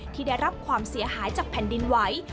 ที่ได้รับความเสียหายจากแผ่นดินไหว